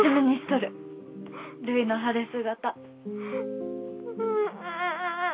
るいの晴れ姿。